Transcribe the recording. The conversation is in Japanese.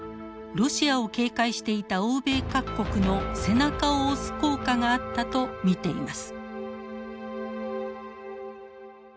ロシアを警戒していた欧米各国の背中を押す効果があったと見ています。